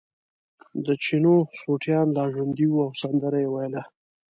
د چینو سوټیان لا ژوندي وو او سندره یې ویله.